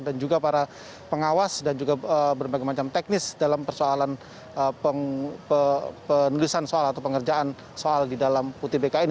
dan juga para pengawas dan juga berbagai macam teknis dalam penulisan soal atau pengerjaan soal di dalam utbk ini